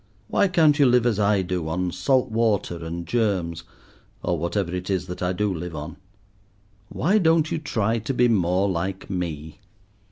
Why can't you live as I do on salt water and germs, or whatever it is that I do live on? Why don't you try to be more like me?"